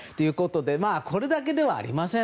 これだけではありません。